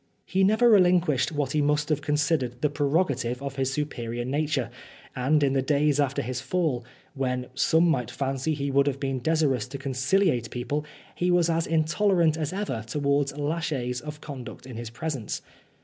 He never relinquished what he must have considered the prerogative of his superior nature ; and in the days after his fall, when some might fancy he would have been desirous to conciliate people, he was as intolerant as ever towards laches of conduct in his presence.